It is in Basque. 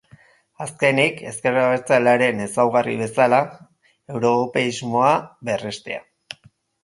Azkenik, ezker abetzalearen ezaugarri bezala europeismoa berrestea.